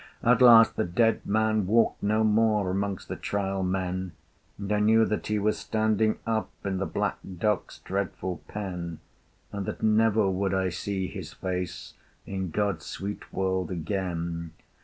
At last the dead man walked no more Amongst the Trial Men, And I knew that he was standing up In the black dock's dreadful pen, And that never would I see his face In God's sweet world again.